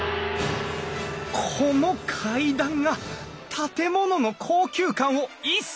この階段が建物の高級感を一層高めている。